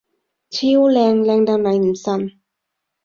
超靚！靚到你唔信！